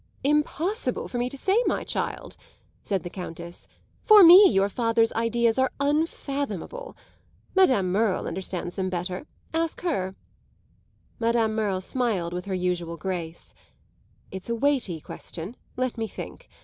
"Impossible for me to say, my child," said the Countess. "For me, your father's ideas are unfathomable. Madame Merle understands them better. Ask her." Madame Merle smiled with her usual grace. "It's a weighty question let me think.